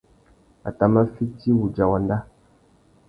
A tà mà fiti wudja wanda.